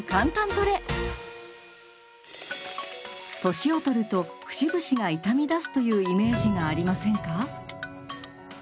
年を取ると節々が痛みだすというイメージがありませんか？